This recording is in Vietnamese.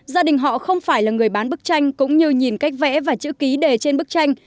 gia đình họ không phải là người bán bức tranh cũng như nhìn cách vẽ và chữ ký đề trên bức tranh